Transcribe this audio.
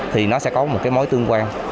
thì nó sẽ có một cái mối tương quan